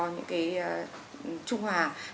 những chất chung hòa những chất oxy